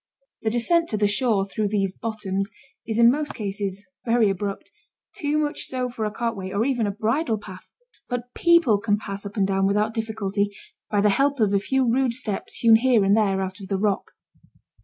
The descent to the shore through these 'bottoms' is in most cases very abrupt, too much so for a cartway, or even a bridle path; but people can pass up and down without difficulty, by the help of a few rude steps hewn here and there out of the rock.